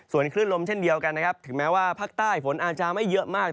ส่วนคลื่นลมเช่นเดียวกันนะครับถึงแม้ว่าภาคใต้ฝนอาจจะไม่เยอะมาก